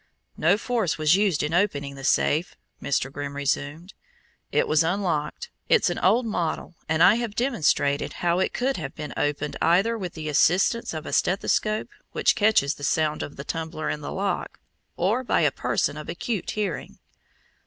"No force was used in opening the safe," Mr. Grimm resumed. "It was unlocked. It's an old model and I have demonstrated how it could have been opened either with the assistance of a stethoscope, which catches the sound of the tumbler in the lock, or by a person of acute hearing."